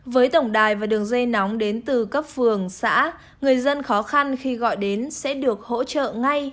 với tổng đài và đường dây nóng đến từ cấp phường xã người dân khó khăn khi gọi đến sẽ được hỗ trợ ngay